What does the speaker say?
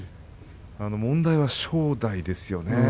問題は正代ですね。